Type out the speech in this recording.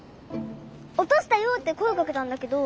「おとしたよ」ってこえかけたんだけど。